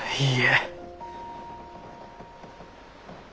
いいえ。